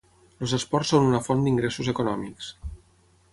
Els esports són una font d'ingressos econòmics.